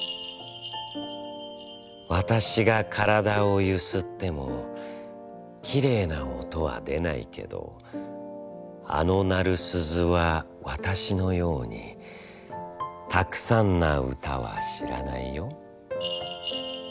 「私がからだをゆすっても、きれいな音は出ないけど、あの鳴る鈴は私のようにたくさんな唄は知らないよ」。